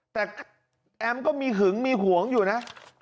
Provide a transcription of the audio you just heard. แต่แอมก็มีหึงมีห่วงอยู่นะ